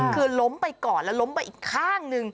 คือล้มไปก่อนแล้วล้มไปอีกข้างหนึ่ง